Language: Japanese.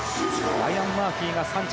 ライアン・マーフィーが３着。